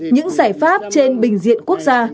những giải pháp trên bình diện quốc gia